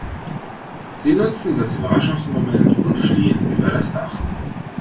Sie nutzen das Überraschungsmoment und fliehen über das Dach.